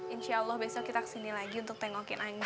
insya allah besok kita kesini lagi untuk tengokin angin